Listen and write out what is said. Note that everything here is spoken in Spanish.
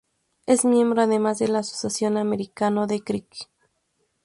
Es miembro además de la Asociación Americana de Críquet.